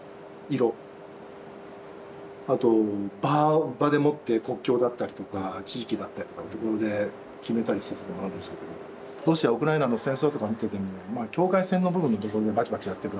あと場場でもって国境だったりとか地域だったりとかっていうことで決めたりすることもあるでしょうけどロシアウクライナの戦争とか見てても境界線の部分でバチバチやってるわけですよ。